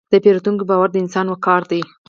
د پیرودونکي باور د انسان وقار دی.